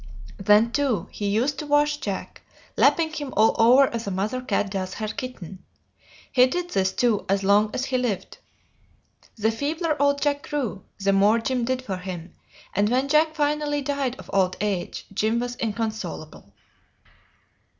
Then, too, he used to wash Jack, lapping him all over as a mother cat does her kitten. He did this, too, as long as he lived. The feebler old Jack grew the more Jim did for him, and when Jack finally died of old age, Jim was inconsolable."